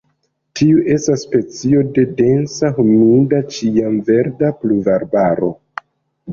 Tiu estas specio de densa humida ĉiamverda pluvarbaro.